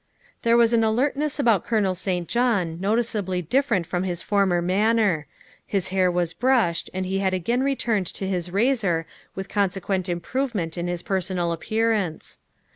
There was an alertness about Colonel St. John notice ably different from his former manner; his hair was brushed and he had again returned to his razor with consequent improvement in his personal appearance.